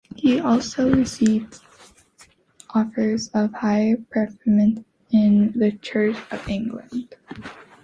He also received offers of high preferment in the Church of England.